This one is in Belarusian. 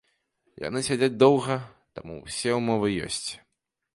Яны сядзяць доўга, таму ўсе ўмовы ёсць.